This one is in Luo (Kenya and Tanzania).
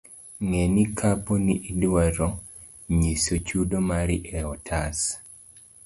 Ng'e ni kapo ni idwaro nyiso chudo mari e otas.